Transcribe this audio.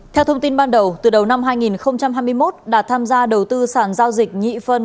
theo thông tin ban đầu từ đầu năm hai nghìn hai mươi một đạt tham gia đầu tư sản giao dịch nhị phân